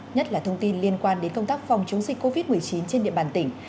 nhất là thông tin liên quan đến công tác phòng chống dịch covid một mươi chín trên địa bàn tỉnh